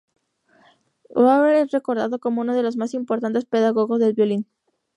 Auer es recordado como uno de los más importantes pedagogos del violín.